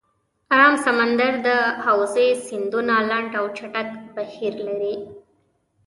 آرام سمندر د حوزې سیندونه لنډ او چټک بهیر لري.